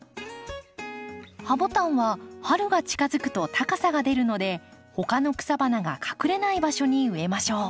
ハボタンは春が近づくと高さが出るので他の草花が隠れない場所に植えましょう。